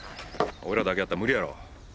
俺らだけやったら無理やろう。